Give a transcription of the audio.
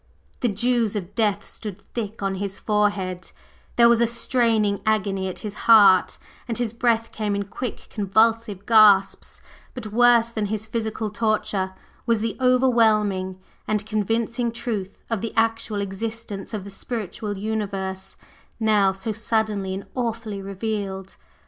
The dews of death stood thick on his forehead; there was a straining agony at his heart, and his breath came in quick convulsive gasps; but worse than his physical torture was the overwhelming and convincing truth of the actual existence of the Spiritual Universe, now so suddenly and awfully revealed.